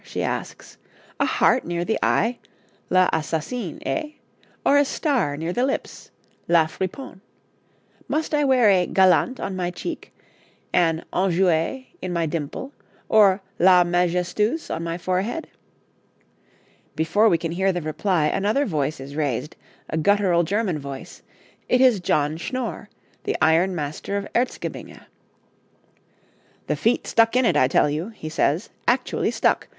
she asks. 'A heart near the eye l'assassine, eh? Or a star near the lips la friponne? Must I wear a galante on my cheek, an enjouée in my dimple, or la majestueuse on my forehead?' Before we can hear the reply another voice is raised, a guttural German voice; it is John Schnorr, the ironmaster of Erzgebinge. 'The feet stuck in it, I tell you,' he says 'actually stuck!